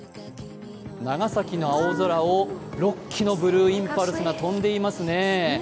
長崎の青空を６機のブルーインパルスが飛んでいますね。